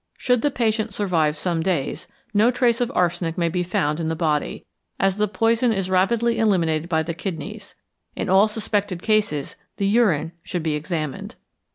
Should the patient survive some days, no trace of arsenic may be found in the body, as the poison is rapidly eliminated by the kidneys. In all suspected cases the urine should be examined.